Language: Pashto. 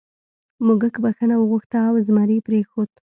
موږک بخښنه وغوښته او زمري پریښود.